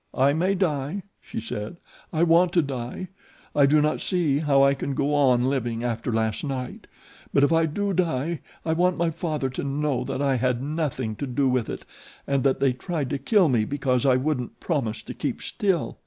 "I may die," she said. "I want to die. I do not see how I can go on living after last night; but if I do die I want my father to know that I had nothing to do with it and that they tried to kill me because I wouldn't promise to keep still.